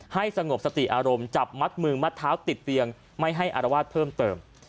สงบสติอารมณ์จับมัดมือมัดเท้าติดเตียงไม่ให้อารวาสเพิ่มเติม